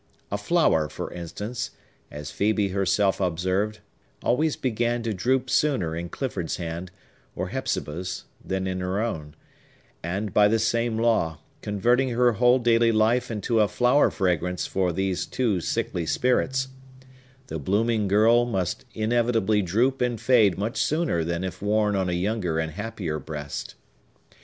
A flower, for instance, as Phœbe herself observed, always began to droop sooner in Clifford's hand, or Hepzibah's, than in her own; and by the same law, converting her whole daily life into a flower fragrance for these two sickly spirits, the blooming girl must inevitably droop and fade much sooner than if worn on a younger and happier breast.